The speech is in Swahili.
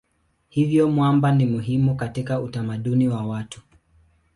Hivyo mwamba ni muhimu katika utamaduni wa watu.